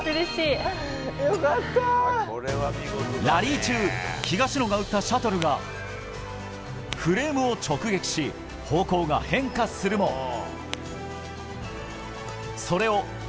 ラリー中東野が打ったシャトルがフレームを直撃し方向が変化するも